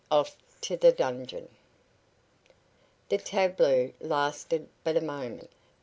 OFF TO THE DUNGEON The tableau lasted but a moment.